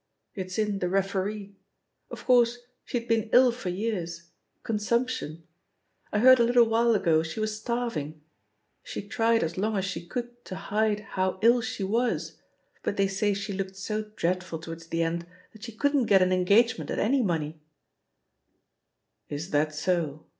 "It's in The Referee. Of course, she'd been ill for years — consumption. I heard a little while ago she was starving; she tried as long as she could to hide how ill she was, but they say she looked so dreadful towards the end that she couldn't get an engagement at any money/* "Is that so?"